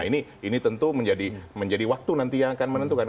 nah ini tentu menjadi waktu nanti yang akan menentukan